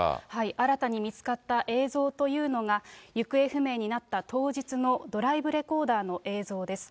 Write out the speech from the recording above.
新たに見つかった映像というのが、行方不明になった当日のドライブレコーダーの映像です。